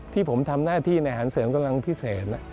ที่ผมทำหน้าที่ในอาหารเสริมกำลังพิเศษ